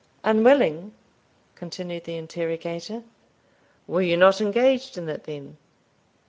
"Unwilling!" continued the interrogator. "Were you not engaged in it then?"